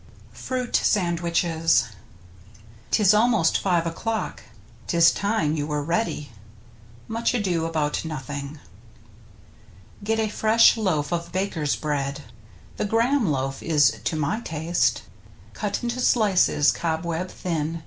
FRUIT SANDWICHES 'Tis almost five o'clock ... His time you were ready. — Much Ado about Nothing. Get a fresh loaf of baker's bread (The Graham loaf is to my taste), Cut into slices cobweb thin.